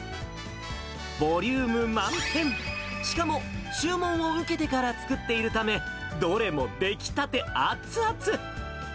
ボリューム満点、しかも注文を受けてから作っているため、どれも出来たて、熱々。